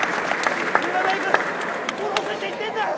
金がないから「殺せ」って言ってんだ！